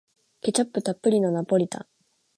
ケチャップたっぷりのナポリタン